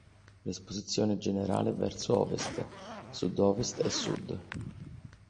L'esposizione generale è verso ovest, sud-ovest e sud.